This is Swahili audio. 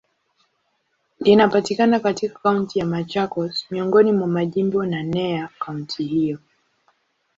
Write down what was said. Linapatikana katika Kaunti ya Machakos, miongoni mwa majimbo naneya kaunti hiyo.